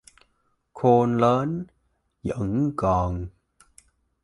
Khôn lớn vẫn còn